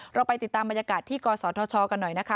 เราไปติดตามบรรยากาศที่กศธชกันหน่อยนะคะ